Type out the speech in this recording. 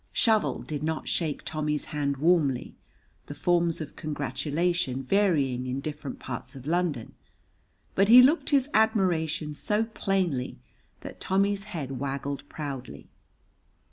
Shovel did not shake Tommy's hand warmly, the forms of congratulation varying in different parts of London, but he looked his admiration so plainly that Tommy's head waggled proudly.